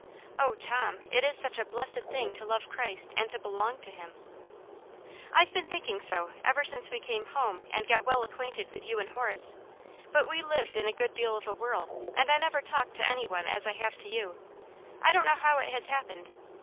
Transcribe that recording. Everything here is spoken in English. Oh, Tom, it is such a blessed thing to love Christ and to belong to him." " I've been thinking so ever since we came home 2o6 Aunt yarn's Hero. and got well acquainted with you and Horace. But we lived in a good deal of a whirl, and I never talked to anyone as I have to you ; I don't know how it has happened.